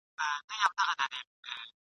ملنګه ! کوم يوسف ته دې ليدلی خوب بيان کړ؟ ..